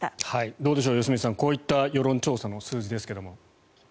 どうでしょう、良純さんこういった世論調査の数字ですが。